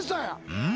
うん？